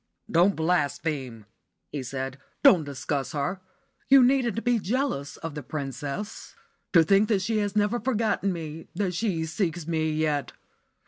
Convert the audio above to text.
"Don't blaspheme," he said. "Don't discuss her. You needn't be jealous of the princess. To think that she has never forgotten me, that she seeks me yet!